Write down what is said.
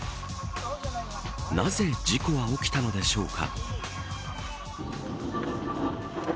なぜ事故は起きたのでしょうか。